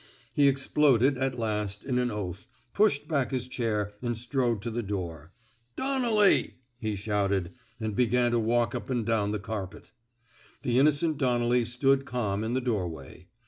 He exploded, at last, in an oath, pushed back his chair, and strode to the door. Don nelly! '* he shouted, and began to walk up and down the carpet. The innocent Donnelly stood calm in the doorway.